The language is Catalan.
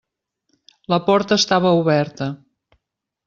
La porta estava oberta.